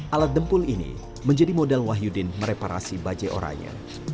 alat dempul ini menjadi model wahyudin mereparasi bajai orangnya